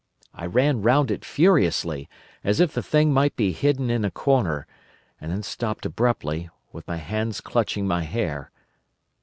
I ran round it furiously, as if the thing might be hidden in a corner, and then stopped abruptly, with my hands clutching my hair.